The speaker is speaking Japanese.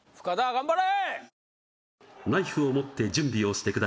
頑張れ